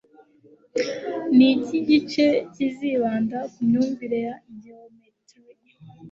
iki gice kizibanda kumyumvire ya geometrie